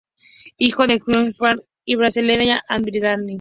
Hijo de Giuseppe Garibaldi y la brasileña Anita Garibaldi.